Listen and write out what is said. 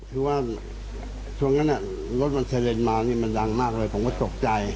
ส่วนอย่างนั้นรถไซเรนมามันดังมากเยอะเลยผมก็ตกใจ